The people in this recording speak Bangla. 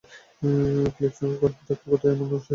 ফিলিপস গসপেল রেকর্ড করতে তেমন একটা উৎসাহী ছিলেন না।